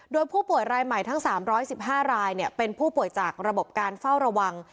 โดยผู้ป่วยรายใหม่ทั้ง๓๑๕รายเป็นผู้ป่วยจากระบบการเฝ้าระวัง